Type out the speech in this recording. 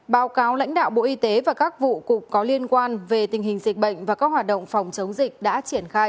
báo cáo lãnh đạo bộ y tế và các vụ cục có liên quan về tình hình dịch bệnh và các hoạt động phòng chống dịch đã triển khai